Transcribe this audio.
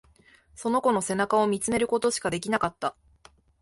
その子の背中を見つめることしかできなかった。